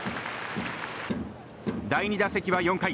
第２打席は４回。